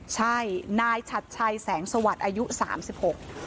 ใช่นายชัดชัยแสงสวัสดิ์อายุสามสิบหก